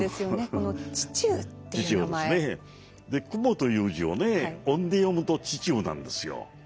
蜘蛛という字をね音で読むと「ちちゅう」なんですよ。